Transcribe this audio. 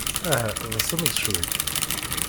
Aha, ḍsemt-d cwiṭ.